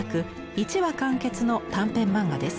１話完結の短編漫画です。